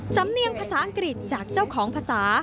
สำเนียงภาษาอังกฤษจากเจ้าของภาษา